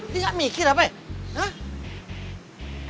tuh gak mikir apa ya